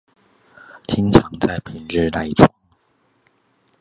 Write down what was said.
經常在平日賴床